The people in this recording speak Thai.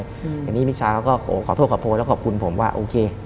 อย่างนี้มิชาก็ขอโทษขอโทษแล้วก็ขอบคุณผมว่าโอเค